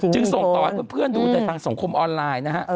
จึงส่งต่อให้เพื่อนดูในทางสงคมออนไลน์